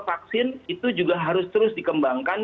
vaksin itu juga harus terus dikembangkan